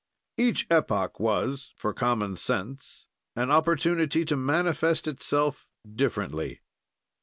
Each epoch was, for common sense, an opportunity to manifest itself differently.